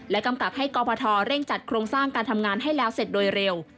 กำกับให้กรพทเร่งจัดโครงสร้างการทำงานให้แล้วเสร็จโดยเร็ว